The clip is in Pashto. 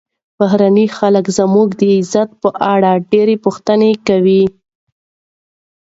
بهرني خلک زموږ د عزت په اړه ډېرې پوښتنې کوي.